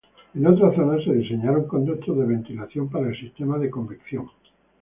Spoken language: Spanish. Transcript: En otras zonas se diseñaron conductos de ventilación para el sistema de convección.